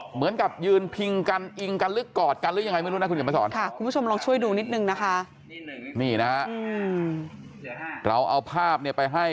เหมือนกับยืนพิงกันอิงกันหรือกอดกันหรือยังไงไม่รู้นะคุณเขียนมาสอนค่ะคุณผู้ชมลองช่วยดูนิดนึงนะคะนี่นะฮะเราเอาภาพเนี่ยไปให้